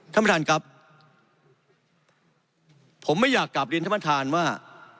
ท่านประธานครับผมไม่อยากกลับเรียนท่านประธานว่า